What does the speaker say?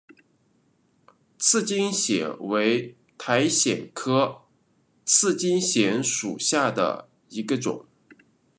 赤茎藓为塔藓科赤茎藓属下的一个种。